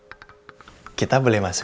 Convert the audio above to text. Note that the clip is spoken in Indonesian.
eh kita boleh masuk